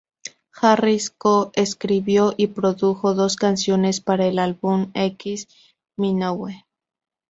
Harris co-escribió y produjo dos canciones para el álbum X de Minogue.